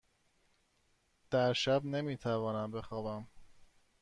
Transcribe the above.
در شب نمی توانم بخوابم.